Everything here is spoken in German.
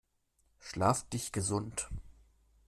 Schlaf dich gesund!